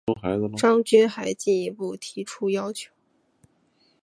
张军还进一步提出要求